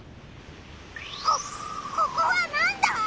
こここはなんだ？